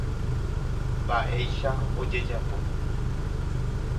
Mba'éicha ojejapo.